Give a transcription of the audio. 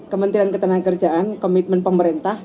kementerian ketenagakerjaan komitmen pemerintah